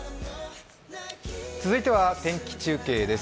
続いては天気中継です。